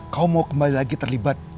kau mau kembali lagi terlibat